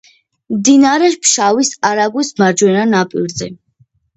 მდინარე ფშავის არაგვის მარჯვენა ნაპირზე.